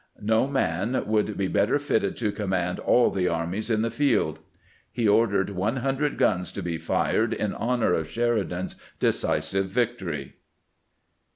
No man would be better fitted to command all the armies in the field." He ordered one hundred guns to be fired in honor of Sheridan's decisive victory.